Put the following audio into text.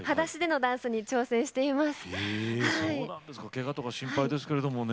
けがとか心配ですけれどもね。